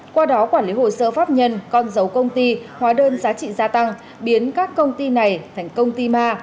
qua đó quản lý hồ sơ pháp nhân con dấu công ty hóa đơn giá trị gia tăng biến các công ty này thành công ty ma